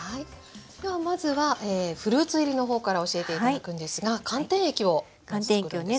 ではまずはフルーツ入りの方から教えて頂くんですが寒天液をつくるんですね。